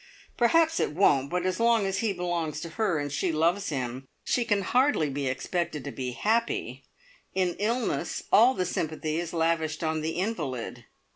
"Perhaps it won't; but as he belongs to her, and she loves him, she can hardly be expected to be happy! In illness all the sympathy is lavished on the invalid.